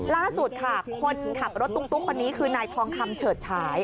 ล่าสุดค่ะคนขับรถตุ๊กคนนี้คือนายทองคำเฉิดฉาย